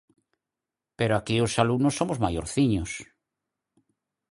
Pero aquí os alumnos somos maiorciños.